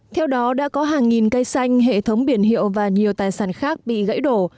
theo đó đã có hàng nghìn cây xanh hệ thống biển hiệu và nhiều tài sản khác bị gãy đổ